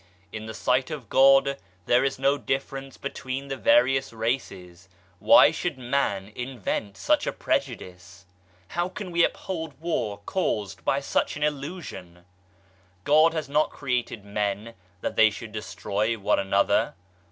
In the sight of God there is no difference between the various races. Why should man invent such a prejudice ? How can we uphold War caused by an illusion ? God has not created men that they should destroy one another.